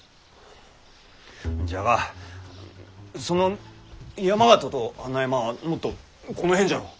じゃがその山県と穴山はもっとこの辺じゃろ。